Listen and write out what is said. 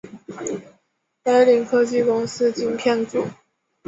雷凌科技公司晶片组。